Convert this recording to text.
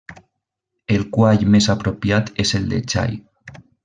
El quall més apropiat és el de xai.